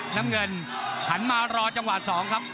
น้ำเงินหันมารอจังหวะ๒ครับ